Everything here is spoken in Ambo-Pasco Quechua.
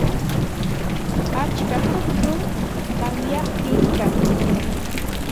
Atska tukllum tamyaptin kan.